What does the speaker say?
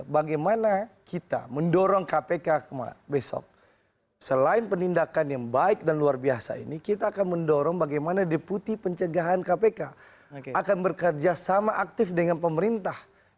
bagaimana kita mendorong kpk besok selain penindakan yang baik dan luar biasa ini kita akan mendorong bagaimana deputi pencegahan kpk akan bekerja sama aktif dengan pemerintah